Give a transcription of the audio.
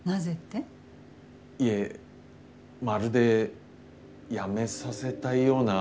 いえまるで辞めさせたいような。